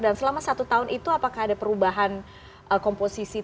dan selama satu tahun itu apakah ada perubahan komposisi